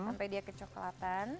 sampai dia kecoklatan